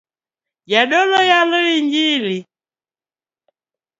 Jadolo yalo injili